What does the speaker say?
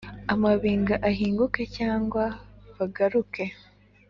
Amabinga ahinguke cg bagaruke